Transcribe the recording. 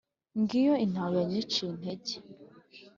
ngiyo intaho yanciye intege